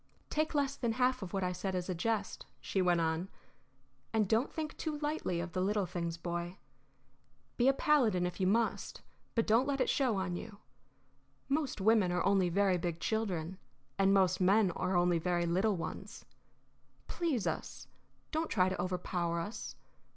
"Take less than half of what I said as a jest," she went on. "And don't think too lightly of the little things, Boy. Be a paladin if you must, but don't let it show on you. Most women are only very big children, and most men are only very little ones. Please us; don't try to overpower us.